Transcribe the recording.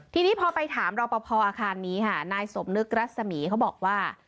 ทีนี้พอไปถามรอปภอาคารนี้ค่ะนายสมนึกรัศมีเขาบอกว่า